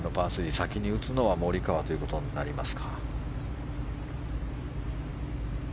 先に打つのはモリカワということになります。